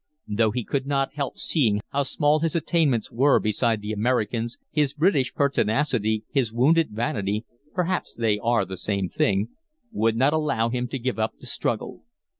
Though he could not help seeing how small his attainments were beside the American's, his British pertinacity, his wounded vanity (perhaps they are the same thing), would not allow him to give up the struggle.